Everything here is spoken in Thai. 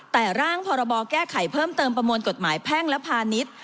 แต่ร่างพรบแก้ไขเพิ่มเติมประมวลกฎหมายแพ่งและพาณิชย์